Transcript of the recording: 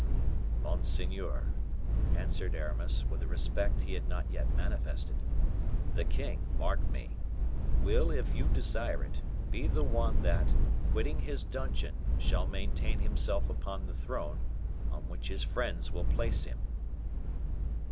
"Monseigneur," answered Aramis, with a respect he had not yet manifested, "the king, mark me, will, if you desire it, be the one that, quitting his dungeon, shall maintain himself upon the throne, on which his friends will place him."